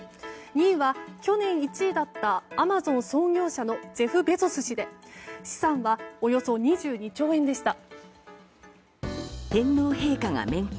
２位は去年１位だったアマゾン創業者のジェフ・ベゾス氏で資産はおよそ２２兆円でした。